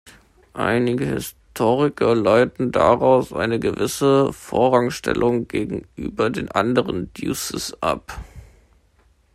Einige Historiker leiten daraus eine gewisse Vorrangstellung gegenüber den anderen "duces" ab.